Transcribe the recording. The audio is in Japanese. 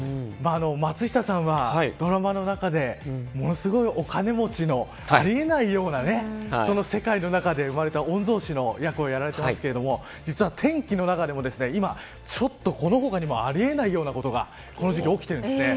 松下さんは、ドラマの中でものすごいお金持ちのありえないような世界の中で生まれた御曹司の役をやられていますけれども実は、天気の中でも今この他にも、あり得ないようなことがこの時期起きているんです。